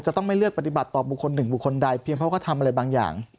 จะต้องไม่เลือกปฏิบัติต่อบุคคลหนึ่งบุคคลใดเพียงเขาก็ทำอะไรบางอย่าง